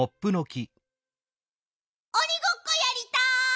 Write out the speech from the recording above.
おにごっこやりたい！